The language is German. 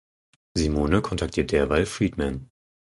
Simone kontaktiert derweil Freedman.